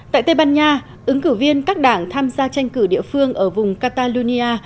tại tây ban nha ứng cử viên các đảng tham gia tranh cử địa phương ở vùng catalonia